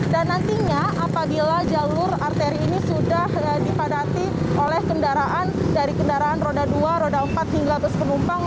dan nantinya apabila jalur arteri ini sudah dipadati oleh kendaraan dari kendaraan roda dua roda empat hingga bus penumpang